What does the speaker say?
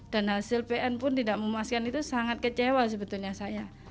dan hasil pn pun tidak memuaskan itu sangat kecewa sebetulnya saya